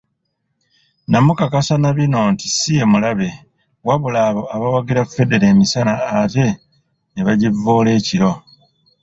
Namukakasa na bino nti si ye mulabe, wabula abo abawagira Federo emisana ate ne bagivvoola ekiro.